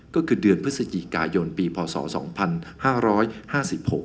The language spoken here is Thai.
ก็คือเดือนพฤศจิกายนปีพศ๒๕๕๖